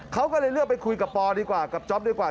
เขาก็เลยเลือกไปคุยกับปอดีกว่ากับจ๊อปดีกว่า